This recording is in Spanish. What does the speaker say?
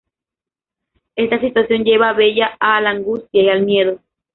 Esta situación lleva a Bella a la angustia y al miedo.